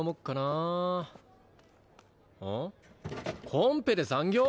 コンペで残業？